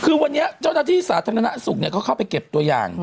คือวันนี้เจ้าหน้าที่สาธารณสุขเขาเข้าไปเก็บตัวอย่าง